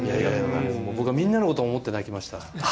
僕はみんなのことを思って泣きました。